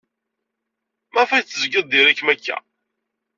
Maɣef ay tezgid diri-kem akka?